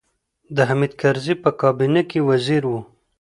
د حامد کرزي په کابینه کې وزیر و.